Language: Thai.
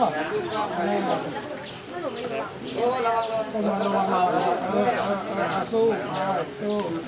ต้องเฟ้นลูกต้องเฟ้นลูก